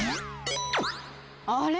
あれ？